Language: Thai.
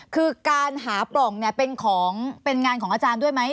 คือการหาปล่องเป็นงานของอาจารย์ด้วยไหม